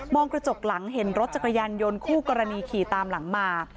กระจกหลังเห็นรถจักรยานยนต์คู่กรณีขี่ตามหลังมา